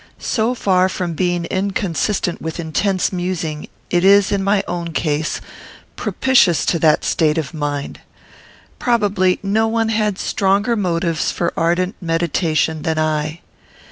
So far from being inconsistent with intense musing, it is, in my own case, propitious to that state of mind. Probably no one had stronger motives for ardent meditation than I.